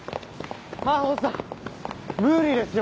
マホさん無理ですよ。